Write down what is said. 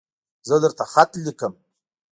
زه درته خط لیکم